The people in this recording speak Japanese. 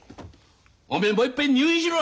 おめえもういっぺん入院しろ！